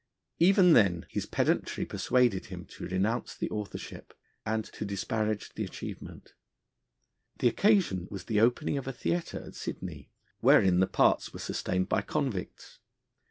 Even then his pedantry persuaded him to renounce the authorship, and to disparage the achievement. The occasion was the opening of a theatre at Sydney, wherein the parts were sustained by convicts.